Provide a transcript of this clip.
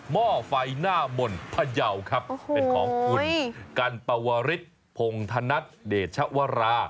ห้อไฟหน้ามนต์พยาวครับเป็นของคุณกันปวริสพงธนัทเดชวรา